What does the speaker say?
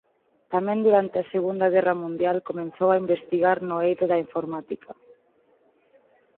Tamén durante a Segunda Guerra Mundial comezou a investigar no eido da informática.